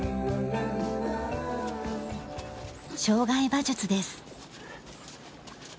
障害馬術です。